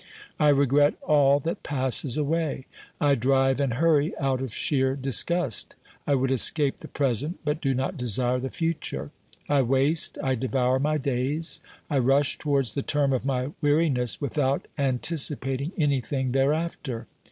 I regret all that passes away ; I drive and hurry out of sheer disgust ; I would escape the present but do not desire the future ; I waste, I devour my days, I rush towards the term of my weariness without OBERMANN 185 anticipating anything thereafter.